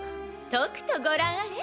とくとご覧あれ。